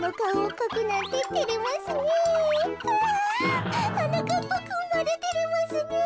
ひゃ。はなかっぱくんまでてれますねえ。